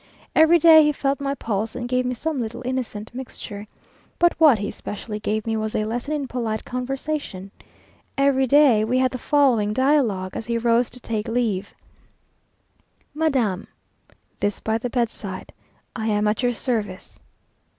Every day he felt my pulse, and gave me some little innocent mixture. But what he especially gave me was a lesson in polite conversation. Every day we had the following dialogue, as he rose to take leave: "Madam!" (this by the bedside) "I am at your service."